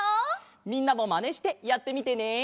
みんなもマネしてやってみてね。